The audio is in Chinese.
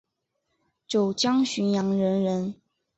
九江浔阳人人。